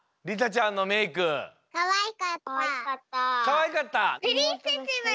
かわいかった？